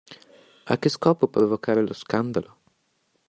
A che scopo provocare lo scandalo?